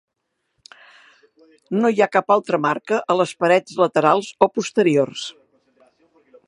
No hi ha cap altra marca a les parets laterals o posteriors.